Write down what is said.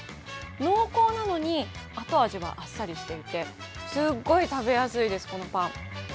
濃厚なのに後味があっさりしていて、すっごい食べやすいです。